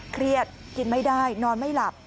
เครียดกินไม่ได้นอนไม่หลับ